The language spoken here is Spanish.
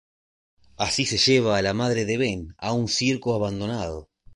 Así se lleva a la madre de Ben a un circo abandonado.